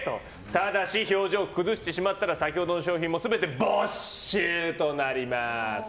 ただし表情を崩してしまったら先ほどの商品も全て没収となります。